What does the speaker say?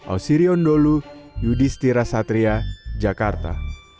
ausirion dholu yudhistira satria jakarta